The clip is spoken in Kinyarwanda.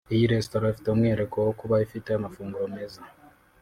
Iyi resitora ifite umwihariko wo kuba ifite amafunguro meza